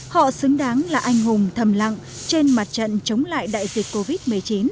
họ xứng đáng là anh hùng thầm lặng trên mặt trận chống lại đại dịch covid một mươi chín